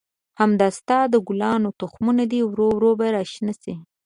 همدا ستا د ګلانو تخمونه دي، ورو ورو به را شنه شي.